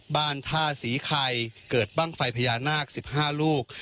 บ้านท่าศรีไข่เกิดบ้างไฟพญานาค๑๕ลูก